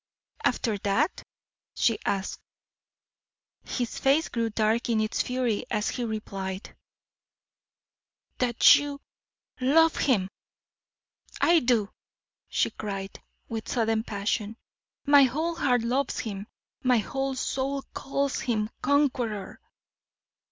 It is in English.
"After that?" she asked. His face grew dark in its fury as he replied: "That you love him!" "I do!" she cried, with sudden passion, "my whole heart loves him, my whole soul calls him conqueror!"